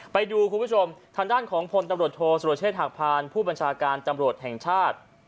ไปดูคุณผู้ชมทางด้านของพตโทสเชษฐพบัญชาการจแห่งชาติ